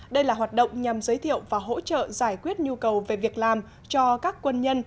đây là hoạt động nhằm giới thiệu và hỗ trợ giải quyết nhu cầu về việc làm cho các quân nhân